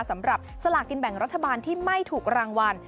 สำหรับสลากกินแบ่งรัฐบาลที่ไม่ถูกรางวัล